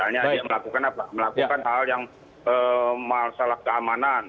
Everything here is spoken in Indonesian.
misalnya dia melakukan apa melakukan hal yang masalah keamanan